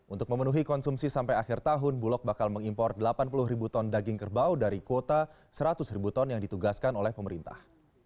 untuk memenuhi konsumsi sampai akhir tahun bulog bakal mengimpor delapan puluh ribu ton daging kerbau dari kuota seratus ribu ton yang ditugaskan oleh pemerintah